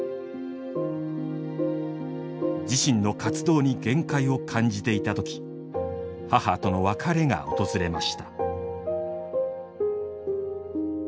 自身の活動に限界を感じていた時母との別れが訪れました。